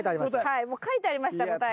はいもう書いてありました答えが。